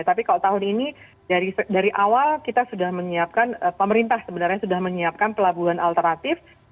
tapi kalau tahun ini dari awal kita sudah menyiapkan pemerintah sebenarnya sudah menyiapkan pelabuhan alternatif